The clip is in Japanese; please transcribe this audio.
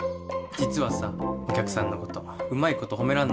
実はさお客さんのことうまいこと褒めらんなくて。